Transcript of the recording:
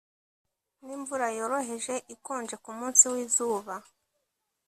ni imvura yoroheje ikonje kumunsi wizuba.